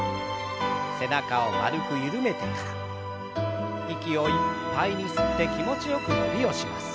背中を丸く緩めてから息をいっぱいに吸って気持ちよく伸びをします。